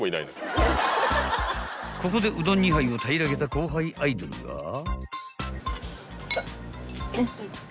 ［ここでうどん２杯を平らげた後輩アイドルが］